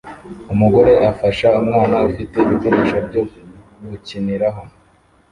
Umugore afasha umwana ufite ibikoresho byo gukiniraho